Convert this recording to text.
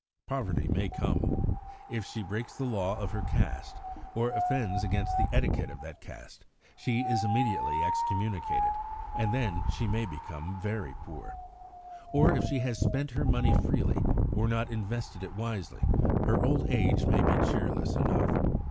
Poverty may come. If she breaks the law of her caste, or offends against the etiquette of that caste, she is immediately excommunicated, and then she may become very poor. Or if she has spent her money freely, or not invested it wisely, her old age may be cheerless enough.